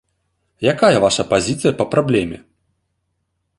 Якая ваша пазіцыя па праблеме?